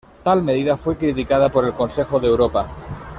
Tal medida fue criticada por el Consejo de Europa.